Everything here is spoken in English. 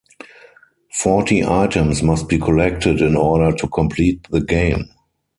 Forty items must be collected in order to complete the game.